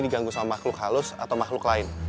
diganggu sama makhluk halus atau makhluk lain